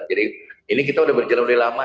jadi ini kita sudah berjalan lama